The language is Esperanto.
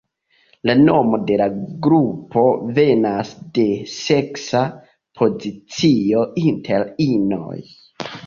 La nomo de la grupo venas de seksa pozicio inter inoj.